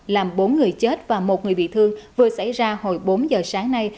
làm bốn người chết và một người bị thương vừa xảy ra hồi bốn giờ sáng nay